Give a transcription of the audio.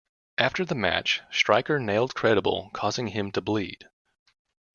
After the match, Striker nailed Credible, causing him to bleed.